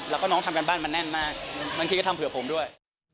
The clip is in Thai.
แล้วก็น้องทำการบ้านมาแน่นมากบางทีก็ทำเผื่อผมด้วย